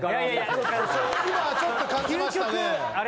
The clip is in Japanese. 今ちょっと感じましたね。